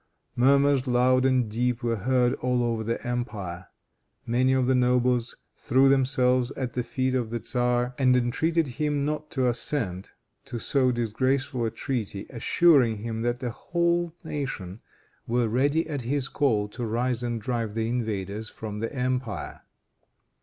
Murmurs loud and deep were heard all over the empire. Many of the nobles threw themselves at the feet of the tzar and entreated him not to assent to so disgraceful a treaty, assuring him that the whole nation were ready at his call to rise and drive the invaders from the empire.